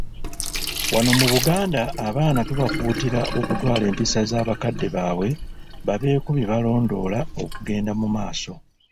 Wano mu Buganda abaana tubakuutira okutwala empisa za bakadde baabwe babeeko byebalondoola okugenda mumaaso.